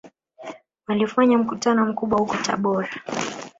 Walifanya mkutano mkubwa huko Tabora